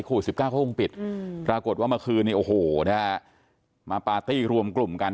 โควิด๑๙เขาคงปิดปรากฏว่าเมื่อคืนนี้โอ้โหนะฮะมาปาร์ตี้รวมกลุ่มกัน